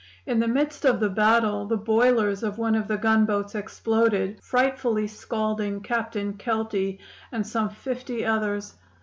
In the midst of the battle the boilers of one of the gunboats exploded, frightfully scalding Captain Kelty and some fifty others.